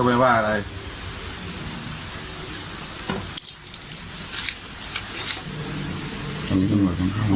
ผมเลี้ยงลูกอยู่